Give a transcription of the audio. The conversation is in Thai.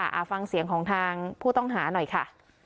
เอาฟังเสียงของทางผู้ต้องหาหน่อยค่ะ